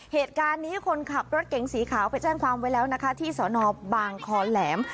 เหตุการณ์นี้คนขับรถเก๋งสีขาวไปแจ้งความไว้แล้วนะคะที่สนบางคอแหลม